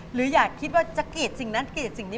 หรืออยากคิดว่าจะกรีดสิ่งนั้นกรีดสิ่งนี้